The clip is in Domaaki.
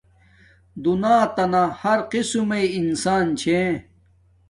دنیاتانا ہر قسم مݵ انسان چھے